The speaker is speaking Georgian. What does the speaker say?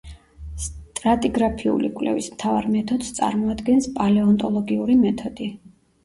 სტრატიგრაფიული კვლევის მთავარ მეთოდს წარმოადგენს პალეონტოლოგიური მეთოდი.